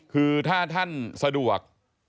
คือถ้าท่านสะดวก